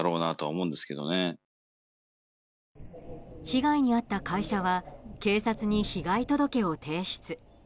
被害に遭った会社は警察に被害届を提出。